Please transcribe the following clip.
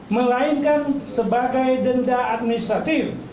melainkan sebagai denda administratif